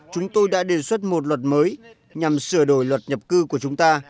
chúng tôi đã đề xuất một luật mới nhằm sửa đổi luật nhập cư của chúng ta